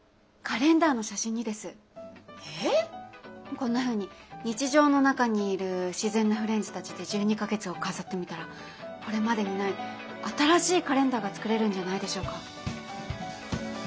こんなふうに日常の中にいる自然なフレンズたちで１２か月を飾ってみたらこれまでにない新しいカレンダーが作れるんじゃないでしょうか。